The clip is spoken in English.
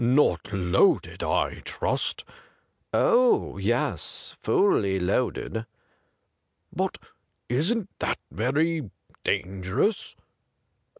' Not loaded, I trust ?*' Oh yes, fully loaded.' ' But isn't that very dangerous